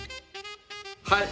はい！